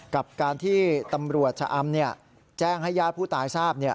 กับการที่ตำรวจชะอำแจ้งให้ญาติผู้ตายทราบ